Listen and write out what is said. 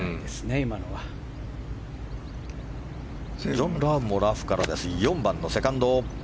ジョン・ラームもラフから４番のセカンド。